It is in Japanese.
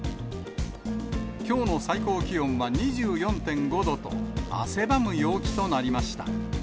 きょうの最高気温は２４．５度と、汗ばむ陽気となりました。